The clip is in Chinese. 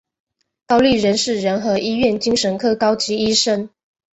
高立仁是仁和医院精神科高级医生。